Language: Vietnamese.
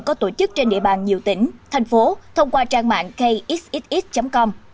có tổ chức trên địa bàn nhiều tỉnh thành phố thông qua trang mạng kxxxx com